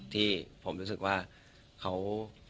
ที่ผมรู้สึกว่าเขา